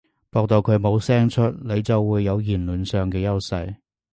駁到佢冇聲出，你就會有言論上嘅優勢